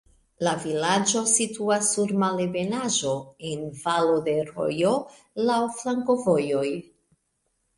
La vilaĝo situas sur malebenaĵo, en valo de rojo, laŭ flankovojoj.